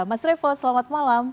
mas revo selamat malam